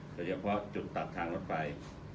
โดยเฉพาะจุดตัดทางรถไฟ